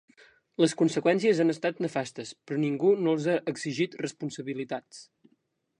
Les conseqüències han estat nefastes, però ningú no els ha exigit responsabilitats.